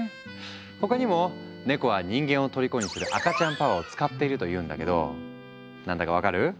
他にもネコは人間をとりこにする赤ちゃんパワーを使っているというんだけど何だか分かる？